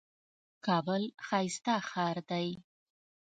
کابل ښايسته ښار دئ.